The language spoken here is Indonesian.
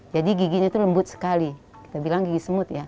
jadi giginya itu lembut sekali kita bilang gigi semut ya